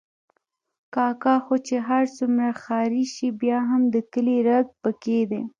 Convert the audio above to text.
کاکا خو چې هر څومره ښاري شي، بیا هم د کلي رګ پکې دی.